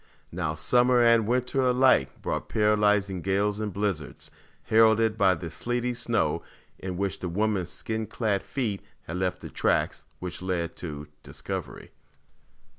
Now, summer and winter alike brought paralyzing gales and blizzards, heralded by the sleety snow in which the woman's skin clad feet had left the tracks which led to discovery.